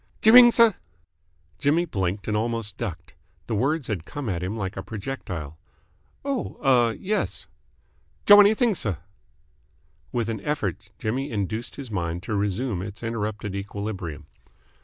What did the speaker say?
"Jer ring, S'?" Jimmy blinked and almost ducked. The words had come at him like a projectile. "Oh, ah, yes." "J' want anything, s'?" With an effort Jimmy induced his mind to resume its interrupted equilibrium.